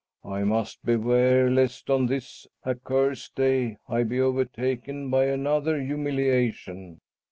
I must beware lest on this accursed day I be overtaken by another humiliation."